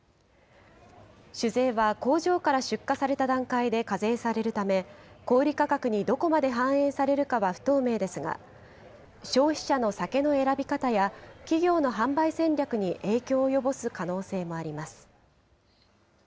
酒税は工場から出荷された段階で課税されるため、小売り価格にどこまで反映されるかは不透明ですが、消費者の酒の選び方や企業の販売戦略に影響を及ぼす可能性もあります。